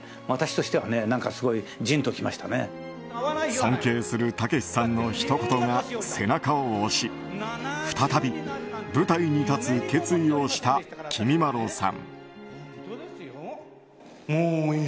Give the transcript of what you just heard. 尊敬するたけしさんのひと言が背中を押し再び舞台に立つ決意をしたきみまろさん。